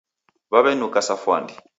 Wawenuka sa fwandi.